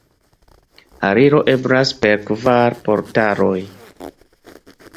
Aliro eblas per kvar portaloj.